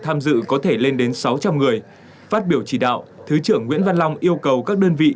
tham dự có thể lên đến sáu trăm linh người phát biểu chỉ đạo thứ trưởng nguyễn văn long yêu cầu các đơn vị